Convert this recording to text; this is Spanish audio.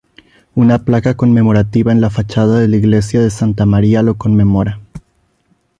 Una placa conmemorativa en la fachada de la Iglesia de Santa María lo conmemora.